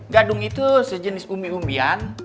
gadung itu sejenis umbi umbian